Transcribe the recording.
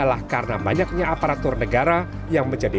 jika bekerja di negara tujuan